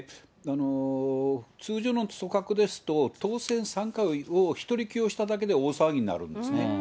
通常の組閣ですと、当選３回を１人起用しただけで、大騒ぎになるんですね。